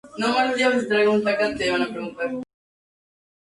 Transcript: Para hacer un conjuro, se necesita una varita mágica.